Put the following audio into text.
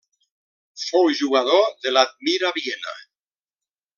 Fou jugador de l'Admira Viena.